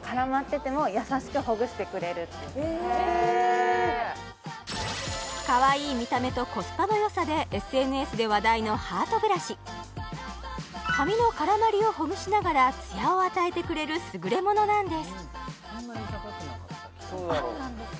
すごいへえへえかわいい見た目とコスパのよさでＳＮＳで話題のハートブラシ髪の絡まりをほぐしながらツヤを与えてくれるすぐれものなんですあっ